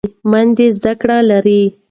میندې زده کړه لري.